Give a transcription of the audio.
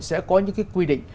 sẽ có những cái quy định